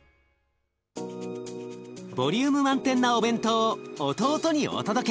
ボリューム満点なお弁当を弟にお届け。